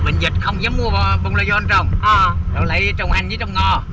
dịch bệnh không dám mua bông loa giống trồng lại trồng hành với trồng ngò